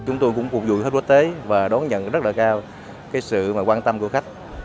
chúng tôi cũng phục vụ khách quốc tế và đón nhận rất là cao sự quan tâm của khách